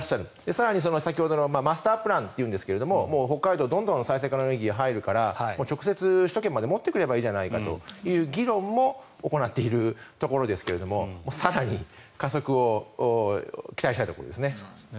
更に、先ほどのマスタープランというんですが北海道、どんどん再生可能エネルギー入るから直接、首都圏まで持ってくればいいじゃないかという議論も行っているところですが更に加速を期待したいところですね。